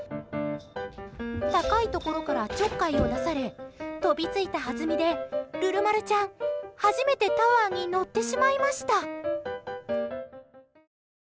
高いところからちょっかいを出され飛びついた弾みでるる丸ちゃん、初めてタワーに乗ってしまいました。